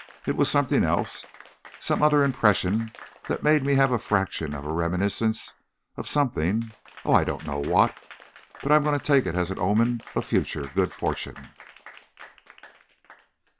It was something else, some other impression, that made me have a fraction of a reminiscence of something, oh, I don't know what, but I'm going to take it as an omen of future good fortune."